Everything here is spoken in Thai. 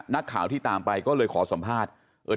นักข่าวที่ตามไปก็เลยขอสัมภาษณ์